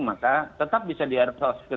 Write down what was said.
maka tetap bisa diadopsas ke